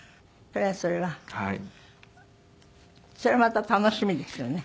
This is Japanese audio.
それはまた楽しみですよね。